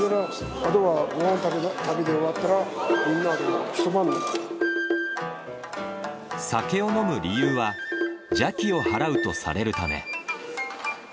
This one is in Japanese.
あとはごはん食べて終わったら、酒を飲む理由は、邪気を払うとされるため。